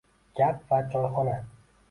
Gap va choyxona